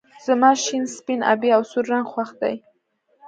زما شين سپين آبی او سور رنګ خوښ دي